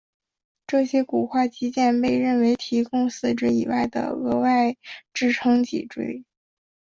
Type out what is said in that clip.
这些骨化肌腱被认为提供四肢以外的额外支撑脊椎。